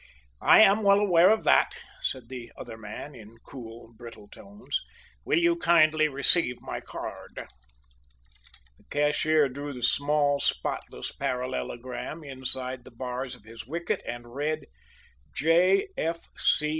"I am well aware of that," said the other man, in cool, brittle tones. "Will you kindly receive my card?" The cashier drew the small, spotless parallelogram inside the bars of his wicket, and read: J. F. C.